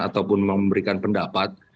ataupun memberikan pendapat